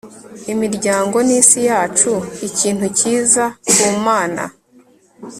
imiryango n'isi yacu ikintu cyiza ku mana